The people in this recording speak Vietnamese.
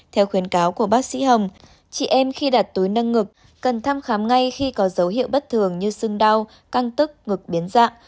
theo khuyến cáo của bác sĩ hồng chị em khi đặt túi nâng ngực cần thăm khám ngay khi có dấu hiệu bất thường như sưng đau căng tức ngực biến dạng